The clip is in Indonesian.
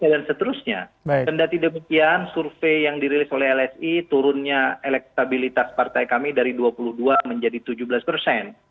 dan seterusnya tendati demikian survei yang dirilis oleh lsi turunnya elektabilitas partai kami dari dua puluh dua menjadi tujuh belas persen